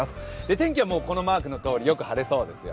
天気はこのマークのとおり、よく晴れそうですよ。